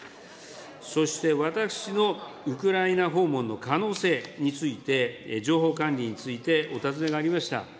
そして私のウクライナ訪問の可能性について情報管理についてお尋ねがありました。